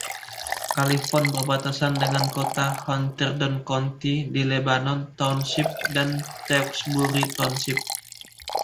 Califon berbatasan dengan kota Hunterdon County di Lebanon Township dan Tewksbury Township.